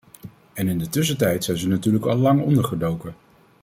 En in de tussentijd zijn ze natuurlijk allang ondergedoken.